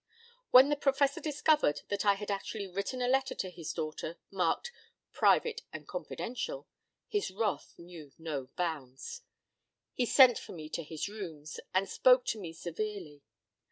p> When the Professor discovered that I had actually written a letter to his daughter, marked "Private and Confidential," his wrath knew no bounds. He sent for me to his rooms, and spoke to me severely.